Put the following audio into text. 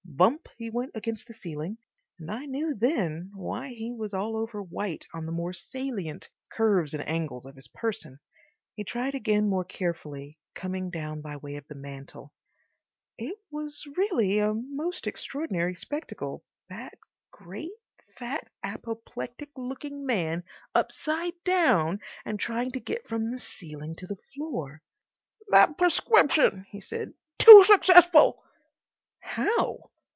Bump he went against the ceiling, and I knew then why he was all over white on the more salient curves and angles of his person. He tried again more carefully, coming down by way of the mantel. It was really a most extraordinary spectacle, that great, fat, apoplectic looking man upside down and trying to get from the ceiling to the floor. "That prescription," he said. "Too successful." "How?"